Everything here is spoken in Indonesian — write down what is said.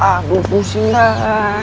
aduh pusing dah